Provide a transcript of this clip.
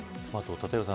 立岩さん